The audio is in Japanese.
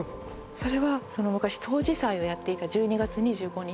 それはその昔冬至祭をやっていた１２月２５日